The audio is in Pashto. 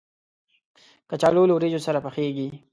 کچالو له وریجو سره پخېږي